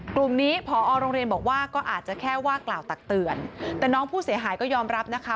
กลุ่มนี้พอโรงเรียนบอกว่าก็อาจจะแค่ว่ากล่าวตักเตือนแต่น้องผู้เสียหายก็ยอมรับนะคะ